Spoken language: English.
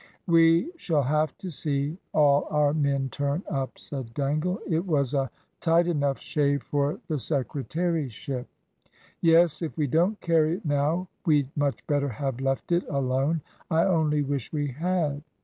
"We shall have to see all our men turn up," said Dangle. "It was a tight enough shave for the secretaryship." "Yes. If we don't carry it now, we'd much better have left it alone. I only wish we had."